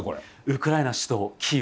ウクライナ首都キーウ。